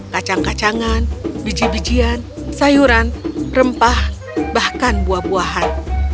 kacang kacangan biji bijian sayuran rempah bahkan buah buahan